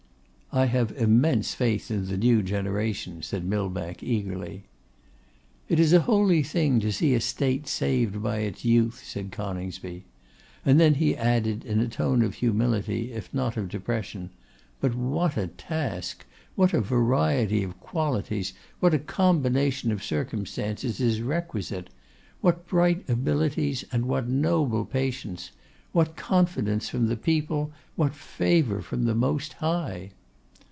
'I have immense faith in the new generation,' said Millbank, eagerly. 'It is a holy thing to see a state saved by its youth,' said Coningsby; and then he added, in a tone of humility, if not of depression, 'But what a task! What a variety of qualities, what a combination of circumstances is requisite! What bright abilities and what noble patience! What confidence from the people, what favour from the Most High!